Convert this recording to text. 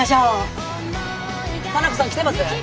沙名子さん来てます？